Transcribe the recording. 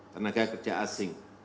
tenaga kerja asing